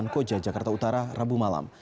koja jakarta utara rabu malam